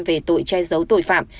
về tội che giấu tội phạm